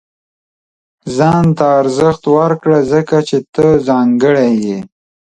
• ځان ته ارزښت ورکړه، ځکه چې ته ځانګړی یې.